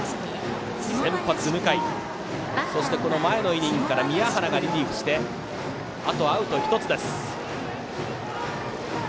先発の向井そして前のイニングから宮原がリリーフしてあとアウト１つです。